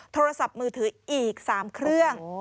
โทรศัพท์มือถืออีก๓เครื่อง